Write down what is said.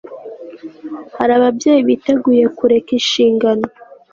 Hari ababyeyi biteguye kureka inshingano